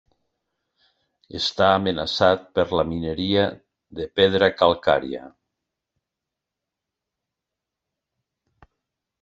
Està amenaçat per la mineria de pedra calcària.